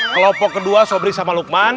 kelompok kedua sobri sama lukman